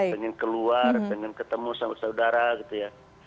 pengen keluar pengen ketemu sama saudara gitu ya